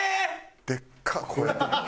でっか声。